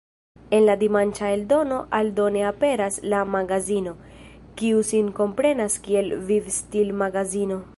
En la dimanĉa eldono aldone aperas la "Magazino", kiu sin komprenas kiel vivstil-magazino.